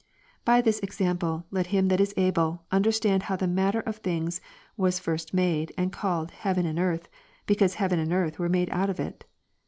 By this example, let him that is able, understand how the matter of things was first made, and called heaven and earth, because heaven and earth were made out of it.